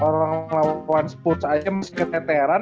orang lawan spurs aja masih keteteran